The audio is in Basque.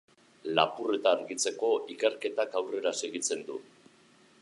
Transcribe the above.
Lapurreta argitzeko ikerketak aurrera segitzen du.